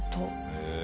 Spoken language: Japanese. へえ。